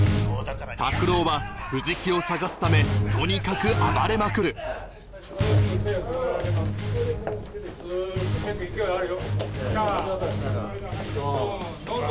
拓郎は藤木を捜すためとにかく暴れまくるカット。